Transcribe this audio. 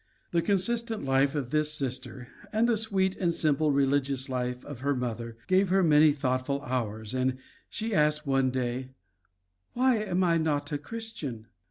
The consistent life of this sister and the sweet and simple religious life of her mother gave her many thoughtful hours, and she asked one day, "Why am I not a Christian?